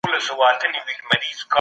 نه څپې وې نه موجونه نه توپان وو